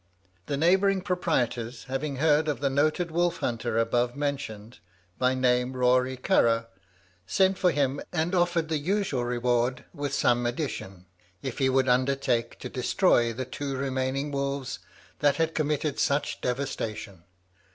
The neighbouring proprietors having heard of the noted wolf hunter above mentioned, by name Rory Carragh, sent for him, and offered the usual reward, with some addition, if he would undertake to destroy the two remaining wolves that had committed such devastation.